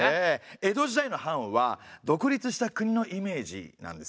江戸時代の藩は独立した国のイメージなんですよね。